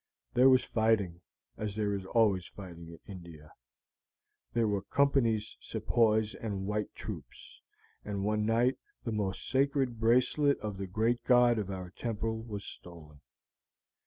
There was fighting, as there is always fighting in India. There were Company's Sepoys and white troops, and one night the most sacred bracelet of the great god of our temple was stolen."